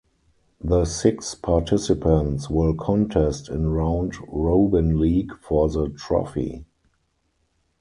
The six participants will contest in round Robin league for the trophy.